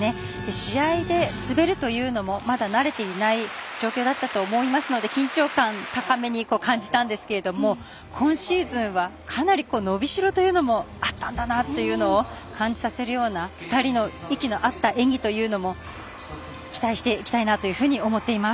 試合で滑るというのもまだ慣れていない状況だったと思いますので緊張感、高めに感じたんですけれども今シーズンは、かなり伸びしろというのもあったんだなというのを感じさせるような２人の息の合った演技というのも期待していきたいなというふうに思います。